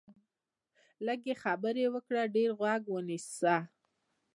لږې خبرې وکړه، ډېر غوږ ونیسه